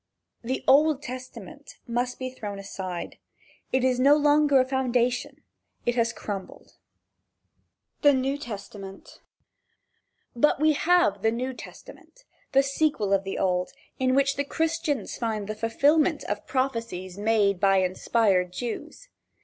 The Old Testament must be thrown aside. It is no longer a foundation. It has crumbled. II. THE NEW TESTAMENT BUT we have the New Testament, the sequel of the Old, in which Christians find the fulfillment of prophecies made by inspired Jews.